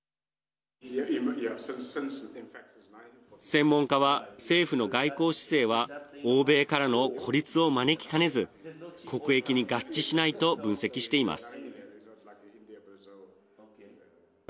専門家は政府の外交姿勢は欧米からの孤立を招きかねず国益に合致しないと分析しています。